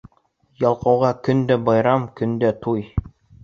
Ялҡауға көндә байрам, көндә туй.